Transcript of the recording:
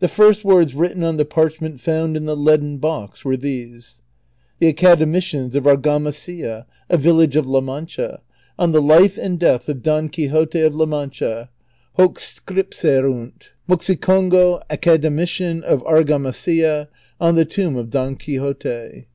The first words written on the parchment found in the leaden box were these : THE ACADEMICIANS OF ARGAMASILLA,' A YILLAfJE OK LA MANCHA, ON THE LIFE AND 4)EATH OF DON QUIXOTE OF LA MANCHA, HOC S C I ; I P S E K U X T . MOXICOXGO, ACADEMICIAX OF AliCiAMASILLA, OX THE ToMB OF Dox Quixote.